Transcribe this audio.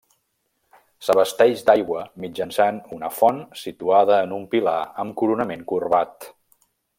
S'abasteix d'aigua mitjançant una font situada en un pilar amb coronament corbat.